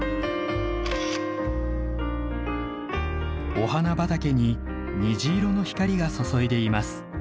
お花畑に虹色の光が注いでいます。